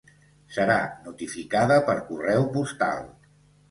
Serà notificada per correu postal.